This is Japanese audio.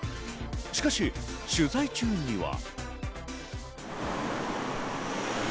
しかし、取材中には。